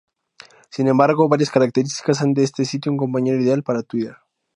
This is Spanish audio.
Sin embargo, varias características hacen de este sitio un compañero ideal para Twitter.